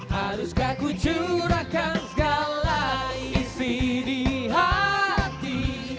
haruskah ku curahkan segala isi di hati